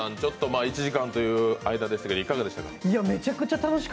１時間という間でしたけどいかがでしたか？